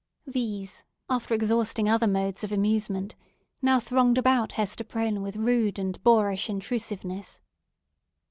These, after exhausting other modes of amusement, now thronged about Hester Prynne with rude and boorish intrusiveness.